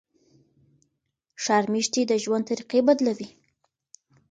ښار میشتي د ژوند طریقې بدلوي.